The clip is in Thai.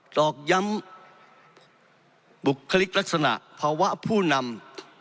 ตอกย้ำบุคลิกลักษณะภาวะผู้นำ